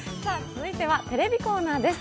続いては、テレビコーナーです。